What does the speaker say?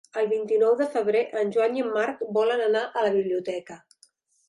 El vint-i-nou de febrer en Joan i en Marc volen anar a la biblioteca.